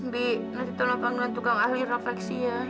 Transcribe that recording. bi nanti tolong panggil tukang ahli refleksi ya